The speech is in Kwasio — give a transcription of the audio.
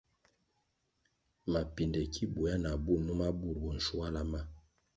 Mapinde ki buéah na bú numa bur bo nschuala ma.